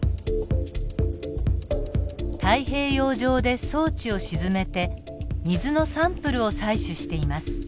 太平洋上で装置を沈めて水のサンプルを採取しています。